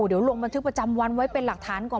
เดี๋ยวลงบันทึกประจำวันไว้เป็นหลักฐานก่อน